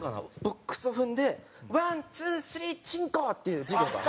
ボックスを踏んでワンツースリーちんこ！っていう授業が。